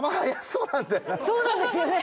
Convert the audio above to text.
そうなんですよね。